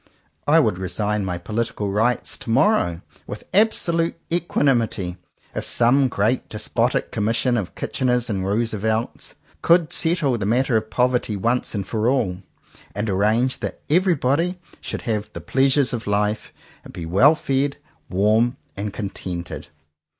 I would resign my politi cal rights to morrow with absolute equan 72 JOHN COWPER POWYS imity if some great despotic commission of Kitcheners and Roosevelts could settle the matter of poverty once for all, and ar range that everybody should have the pleasures of life, and be well fed, warm, and contented.